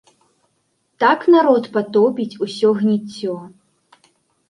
Так народ патопіць усё гніццё.